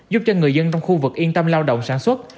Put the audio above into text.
giúp cho người dân trong khu vực yên tâm lao động sản xuất